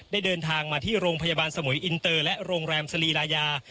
เดินทางมาที่โรงพยาบาลสมุยอินเตอร์และโรงแรมสลีลายา